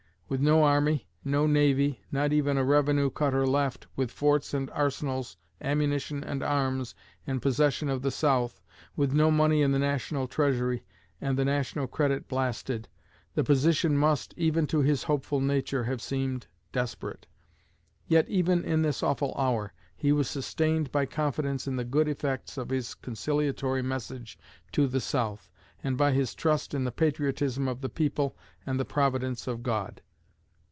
With no army, no navy, not even a revenue cutter left with forts and arsenals, ammunition and arms, in possession of the South, with no money in the National Treasury, and the National credit blasted the position must, even to his hopeful nature, have seemed desperate. Yet even in this awful hour, he was sustained by confidence in the good effects of his conciliatory message to the South, and by his trust in the patriotism of the people and the Providence of God."